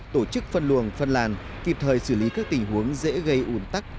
tổ chức phân luồng phân làn kịp thời xử lý các tình huống dễ gây ủn tắc